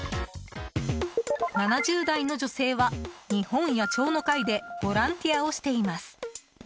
７０代の女性は、日本野鳥の会でボランティアをしています。